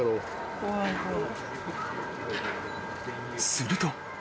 ［すると］